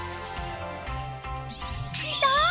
いた！